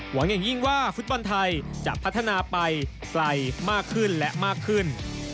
อย่างยิ่งว่าฟุตบอลไทยจะพัฒนาไปไกลมากขึ้นและมากขึ้น